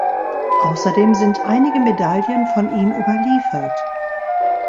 Außerdem sind einige Medaillen von ihm überliefert.